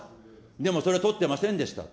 でもそれは取ってませんでした。